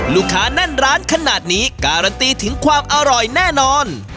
แน่นร้านขนาดนี้การันตีถึงความอร่อยแน่นอน